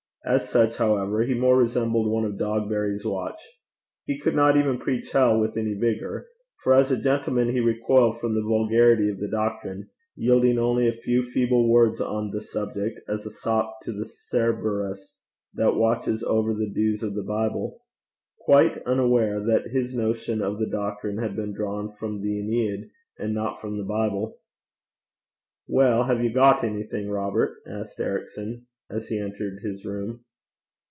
As such, however, he more resembled one of Dogberry's watch. He could not even preach hell with any vigour; for as a gentleman he recoiled from the vulgarity of the doctrine, yielding only a few feeble words on the subject as a sop to the Cerberus that watches over the dues of the Bible quite unaware that his notion of the doctrine had been drawn from the Æneid, and not from the Bible. 'Well, have you got anything, Robert?' asked Ericson, as he entered his room.